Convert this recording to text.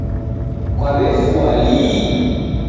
Kwawefua lii?